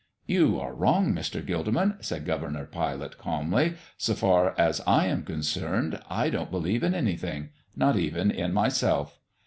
"You are wrong, Mr. Gilderman," said Governor Pilate, calmly, "so far as I am concerned. I don't believe in anything not even in myself.